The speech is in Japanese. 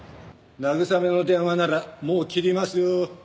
慰めの電話ならもう切りますよ。